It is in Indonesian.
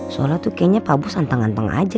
soalnya tuh kayaknya papa santang antang aja